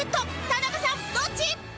田中さんどっち？